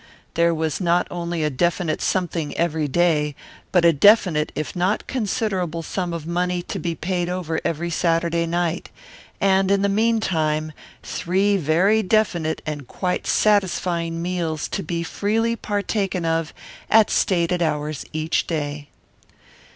There was not only a definite something every day but a definite if not considerable sum of money to be paid over every Saturday night, and in the meantime three very definite and quite satisfying meals to be freely partaken of at stated hours each day.